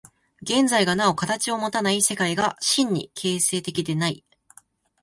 現在がなお形をもたない、世界が真に形成的でない。